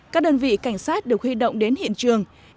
các đơn vị cảnh sát được huy động đến hiện trường